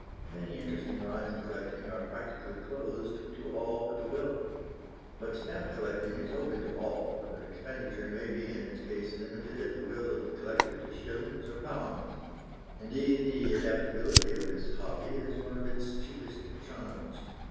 Many interesting lines of collecting are practically closed to all but the wealthy. But stamp collecting is open to all, for the expenditure may in its case be limited at the will of the collector to shillings or pounds. Indeed, the adaptability of this hobby is one of its chiefest charms.